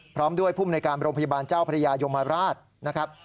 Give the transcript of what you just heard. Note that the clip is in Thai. พร้อมด้วยภูมิในการโรงพยาบาลเจ้าพระยายมราชนะครับ